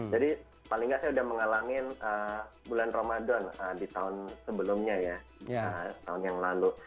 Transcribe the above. paling nggak saya udah mengalami bulan ramadan di tahun sebelumnya ya tahun yang lalu